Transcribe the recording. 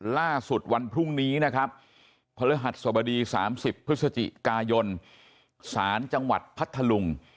ล่าสุดวันพรุ่งนี้นะครับพฤหัสสบดี๓๐พฤศจิกายนสารจังหวัดพัทธลุง